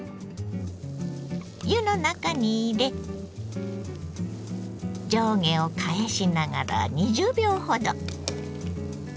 湯の中に入れ上下を返しながら２０秒ほど。